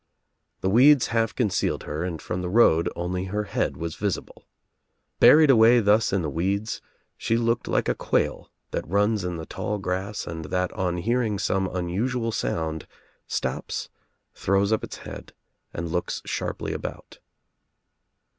The weeds half concealed her and from the road only her head was visible. Buried away thus in the weeds she looked like a quail that runs in the tall grass and that on hearing some un usual sound, stops, throws up its head and looks sharply about.